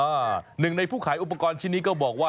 หนึ่งในผู้ขายอุปกรณ์ชิ้นนี้ก็บอกว่า